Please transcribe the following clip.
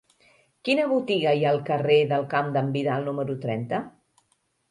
Quina botiga hi ha al carrer del Camp d'en Vidal número trenta?